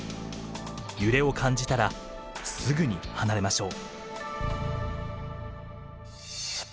揺れを感じたらすぐに離れましょう。